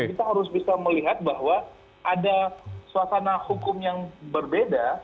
kita harus bisa melihat bahwa ada suasana hukum yang berbeda